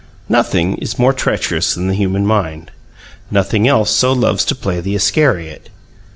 Nothing is more treacherous than the human mind; nothing else so loves to play the Iscariot.